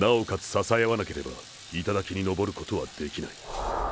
支えあわなければ頂にのぼることはできない。